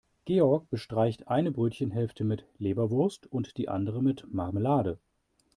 Georg bestreicht eine Brötchenhälfte mit Leberwurst und die andere mit Marmelade.